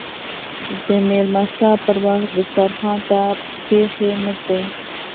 د ميلمستيا پر وخت دسترخوان ته پښې مه ږدئ.